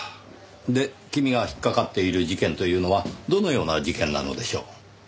で君が引っかかっている事件というのはどのような事件なのでしょう？